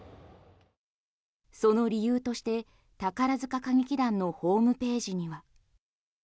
その理由として宝塚歌劇団のホームページには。